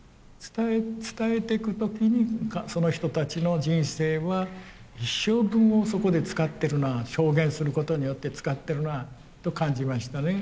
伝えていく時にその人たちの人生は一生分をそこで使ってるな証言することによって使ってるなと感じましたね。